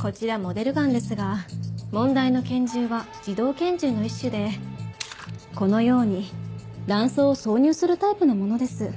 こちらモデルガンですが問題の拳銃は自動拳銃の一種でこのように弾倉を挿入するタイプのものです。